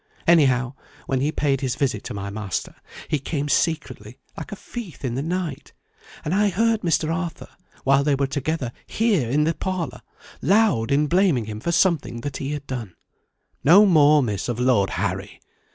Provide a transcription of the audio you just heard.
Anyhow, when he paid his visit to my master, he came secretly like a thief in the night. And I heard Mr. Arthur, while they were together here in the parlour, loud in blaming him for something that he had done. No more, Miss, of Lord Harry!